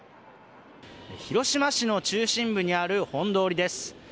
広島市の中心部にある本通りです。